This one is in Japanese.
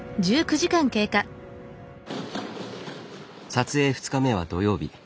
撮影２日目は土曜日。